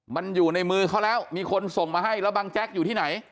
มันอยู่ในมือเขาแล้วมีคนส่งมาให้แล้วบังแจ๊กอยู่ที่ไหน